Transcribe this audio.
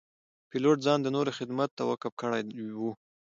پیلوټ ځان د نورو خدمت ته وقف کړی وي.